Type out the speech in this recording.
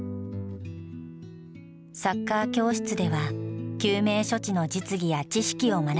サッカー教室では救命処置の実技や知識を学ぶ講習会を開催。